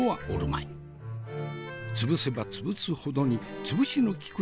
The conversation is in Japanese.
潰せば潰すほどにつぶしのきく